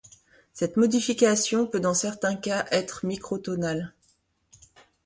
Cette modification peut dans certains cas être micro-tonale.